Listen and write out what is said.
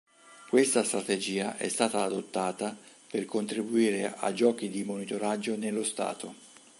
Questa strategia è stata adottata per contribuire a giochi di monitoraggio nello Stato.